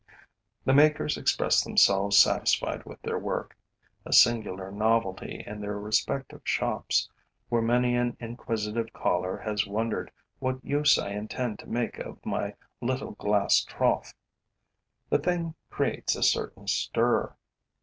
The makers express themselves satisfied with their work, a singular novelty in their respective shops, where many an inquisitive caller has wondered what use I intend to make of my little glass trough. The thing creates a certain stir.